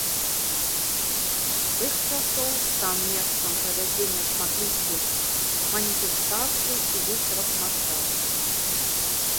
З тых часоў стаў месцам правядзення шматлікіх маніфестацый і выставак мастацтва.